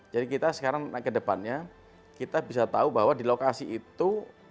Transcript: jadi kita sekarang ke depannya kita bisa tahu bahwa di lokasi itu